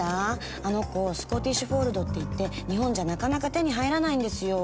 あの子スコティッシュフォールドっていって日本じゃなかなか手に入らないんですよ」。